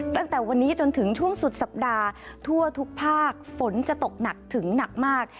ตั้งแต่วันนี้จนถึงช่วงสุดสัปดาห์ทั่วทุกภาคฝนจะตกหนักถึงหนักมาก